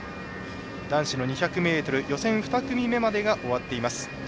男子の２００ｍ予選２組目までが終わっています。